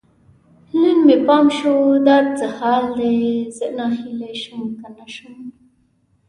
نن مې پام شو، دا څه حال دی؟ زه ناهیلی شم که نه شم